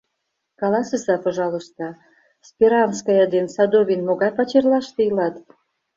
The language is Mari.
— Каласыза, пожалуйста, Сперанская ден Садовин могай пачерлаште илат?